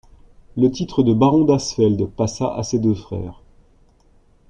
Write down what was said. Le titre de baron d'Asfeld passa à ses deux frères.